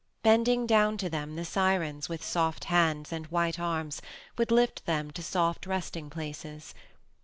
Bending down to them the Sirens, with soft hands and white arms, would lift them to soft resting places.